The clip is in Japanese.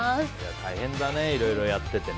大変だね、いろいろやっててね。